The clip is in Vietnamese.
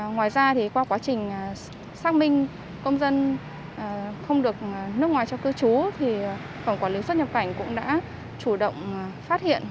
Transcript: ngoài ra qua quá trình xác minh công dân không được nước ngoài cho cư trú thì phòng quản lý xuất nhập cảnh cũng đã chủ động phát hiện